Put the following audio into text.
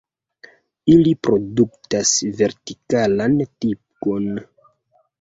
Ili produktas vertikalan tigon.